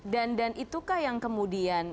dan dan itukah yang kemudian